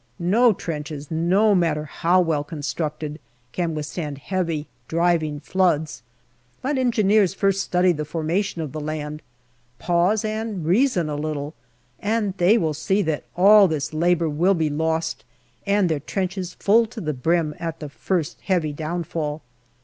No trenches, no matter how well constructed, can withstand heavy driving floods. Let the engineers first study the formation of the land, pause and reason a little, and they will see that all this labour will be lost, and their trenches full to the brim at the first heavy downfall.